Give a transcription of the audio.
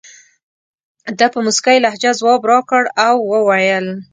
ده په موسکۍ لهجه ځواب راکړ او وویل.